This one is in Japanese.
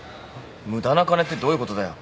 無駄な金ってどういうことだよ。